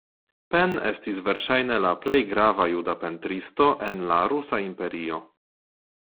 Pen estis verŝajne la plej grava juda pentristo en la rusa imperio.